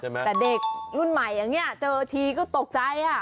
แต่เด็กอื่นใหม่เจอทีก็ตกใจ